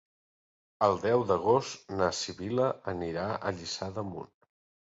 El deu d'agost na Sibil·la anirà a Lliçà d'Amunt.